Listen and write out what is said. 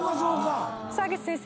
澤口先生。